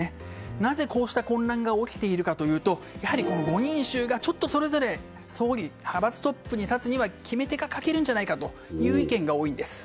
なぜ、こうした混乱が起きているかというとやはり５人衆がそれぞれ派閥トップに立つには決め手が欠けるんじゃないかという意見が多いんです。